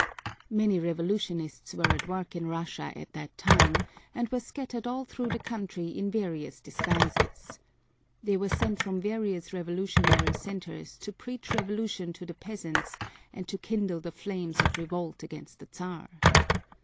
Many revolutionists were at work in Russia at that time, and were scattered all through the country in various disguises. They were sent from various revolutionary centers to preach revolution to the peasants and to kindle the flames of revolt against the Czar.